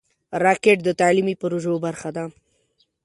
راکټ د تعلیمي پروژو برخه ده